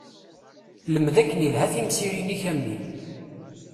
Lmed akken ilha timsirin-ik a mmi!